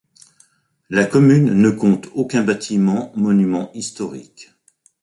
La commune ne compte aucun bâtiment monument historique.